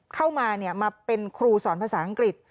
เข้ามามาเป็นครูสอนภาษาอังกฤษ